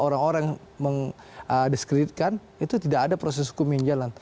orang orang mendeskreditkan itu tidak ada proses hukum yang jalan